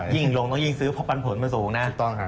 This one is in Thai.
ยิ่งลงก็ยิ่งซื้อเพราะปันผลมันสูงนะ